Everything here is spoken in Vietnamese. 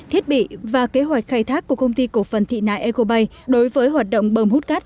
thiết bị và kế hoạch khai thác của công ty cổ phần thị nại ecobay đối với hoạt động bơm hút cát